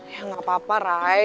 ya nggak apa apa rai